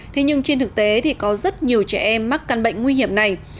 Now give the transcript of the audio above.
thế nhưng trên thực tế thì có rất nhiều trẻ em mắc căn bệnh nguy hiểm này